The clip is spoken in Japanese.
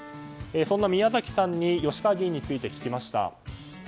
そんな宮崎さんに吉川議員について聞きました。